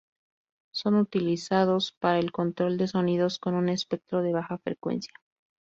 Son utilizados para el control de sonidos con un espectro de baja frecuencia.